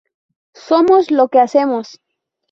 Somos lo que hacemos